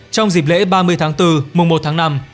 trong dịp lễ ba mươi tháng bốn mùa một tháng năm